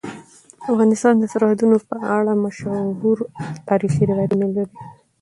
افغانستان د سرحدونه په اړه مشهور تاریخی روایتونه لري.